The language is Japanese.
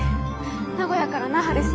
名古屋から那覇です。